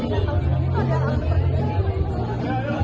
ada alat berbeda beda apa yang bisa kita lihat